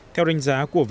theo đánh giá của who